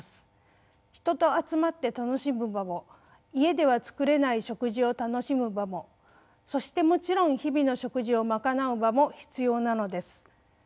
人と集まって楽しむ場も家では作れない食事を楽しむ場もそしてもちろん日々の食事を賄う場も必要なのです。